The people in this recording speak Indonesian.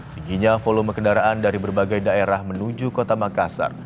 tingginya volume kendaraan dari berbagai daerah menuju kota makassar